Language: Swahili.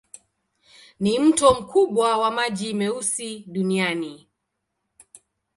Ni mto mkubwa wa maji meusi duniani.